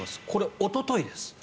おとといです。